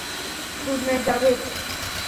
Good night, Javed.